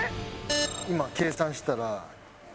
今計算したら。